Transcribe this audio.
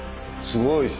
すごい。